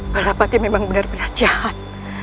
balapati memang benar benar jahat